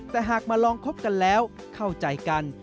แต่หากมาลองคบกันแล้วเข้าใจกัน